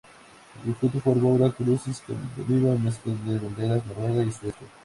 El conjunto forma una cruz escandinava mezcla de las banderas noruega y sueca.